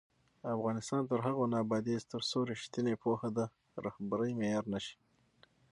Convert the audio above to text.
افغانستان تر هغو نه ابادیږي، ترڅو ریښتینې پوهه د رهبرۍ معیار نه شي.